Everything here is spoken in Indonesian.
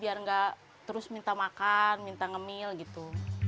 biar nggak terus minta makan minta ngemil gitu